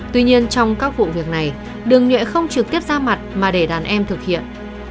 tuy nhiên trong các vụ việc này đường nhuệ không trực tiếp ra mặt mà để đàn em thực hiện